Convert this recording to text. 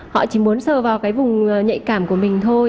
họ chỉ muốn sờ vào cái vùng nhạy cảm của mình thôi